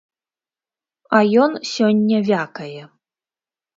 А ён сёння вякае.